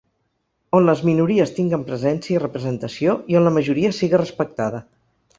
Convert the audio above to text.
On les minories tinguen presència i representació i on la majoria siga respectada.